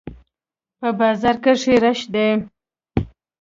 په بازار کښي رش دئ.